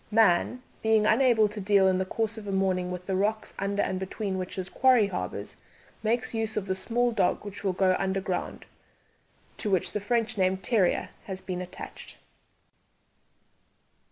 Man, being unable to deal in the course of a morning with the rocks under and between which his quarry harbours, makes use of the small dog which will go underground, to which the French name terrier has been attached.